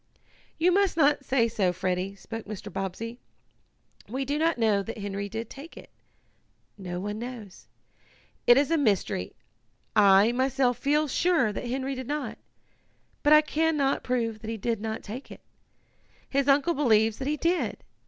"You must not say so, Freddie," spoke Mr. Bobbsey. "We do not know that Henry did take it. No one knows. It is a mystery. I, myself feel sure that Henry did not, but I can not prove that he did not take it. His uncle believes that he did.